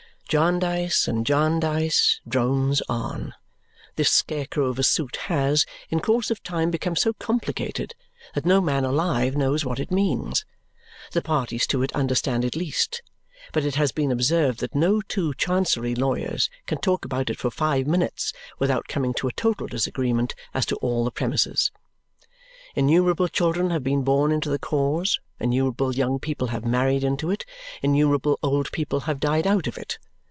Jarndyce and Jarndyce drones on. This scarecrow of a suit has, in course of time, become so complicated that no man alive knows what it means. The parties to it understand it least, but it has been observed that no two Chancery lawyers can talk about it for five minutes without coming to a total disagreement as to all the premises. Innumerable children have been born into the cause; innumerable young people have married into it; innumerable old people have died out of it.